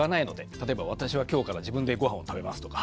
例えば「私は今日から自分でごはんを食べます」とか。